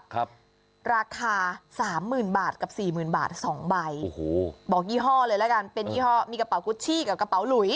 ราคาสามหมื่นบาทกับสี่หมื่นบาทสองใบโอ้โหบอกยี่ห้อเลยแล้วกันเป็นยี่ห้อมีกระเป๋ากุชชี่กับกระเป๋าหลุย